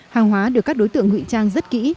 hàng hóa được các đối tượng ngụy trang rất kỹ